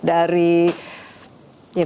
aku juga mau